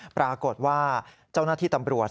ปรากฏว่าเจ้าหน้าที่ตำรวจ